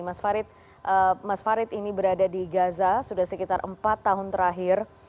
mas farid mas farid ini berada di gaza sudah sekitar empat tahun terakhir